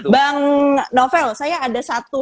bang novel saya ada satu